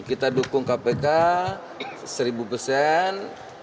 kita dukung kpk seribu persen